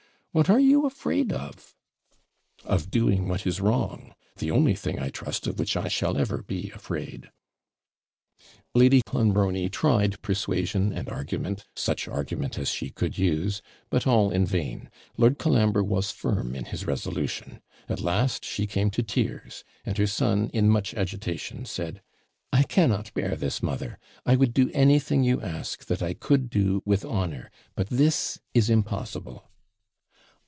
What are you afraid of?' 'Of doing what is wrong the only thing, I trust, of which I shall ever be afraid.' Lady Clonbrony tried persuasion and argument such argument as she could use but all in vain Lord Colambre was firm in his resolution; at last, she came to tears; and her son, in much agitation, said 'I cannot bear this, mother! I would do anything you ask, that I could do with honour; but this is impossible.'